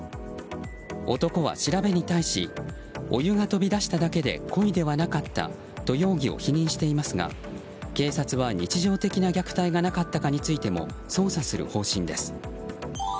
男は調べに対しお湯が飛び出しただけで故意ではなかったと容疑を否認していますが警察は日常的な虐待がなかったかについても捜査する方針です。